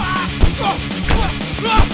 tunggu di sini